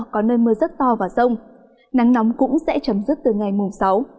có nơi mưa rất to và rông nắng nóng cũng sẽ chấm dứt từ ngày mùng sáu